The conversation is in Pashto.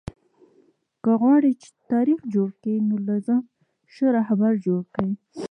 که غواړى، چي تاریخ جوړ کى؛ نو له ځانه ښه راهبر جوړ کئ!